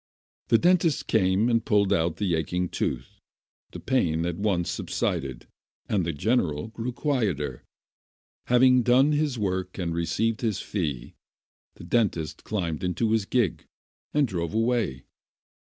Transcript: The dentist came and pulled out the aching tooth. The pain at once subsided, and the general grew quieter. Having done his work and received his fee, the dentist climbed into his gig, and drove away.